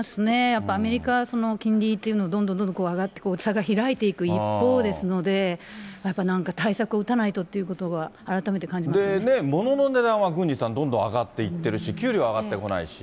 やっぱりアメリカは金利というのをどんどんどんどん上がって、差が開いていく一方ですので、やっぱりなんか対策を打たないとということは、改めて感じましたものの値段は、郡司さん、どんどん上がっていってるし、給料上がってこないし。